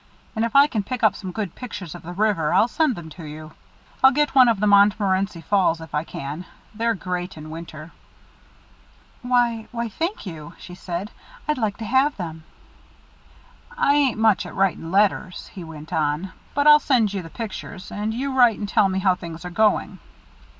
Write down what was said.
And if I can pick up some good pictures of the river, I'll send them to you. I'll get one of the Montmorency Falls, if I can. They're great in winter." "Why why, thank you," she said. "I'd like to have them." "I ain't much at writing letters," he went on, "but I'll send you the pictures, and you write and tell me how things are going."